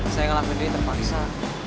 saya ngalahin ini terpaksa